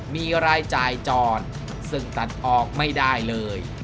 มีรายจ่ายจอดซึ่งตัดออกไม่ได้เลย